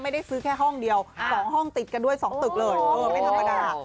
ไม่ได้ซื้อแค่ห้องเดียว๒ห้องติดกันด้วย๒ตึกเลยเออไม่ธรรมดา